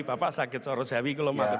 bapak sakit seorang sehari kalau malam ini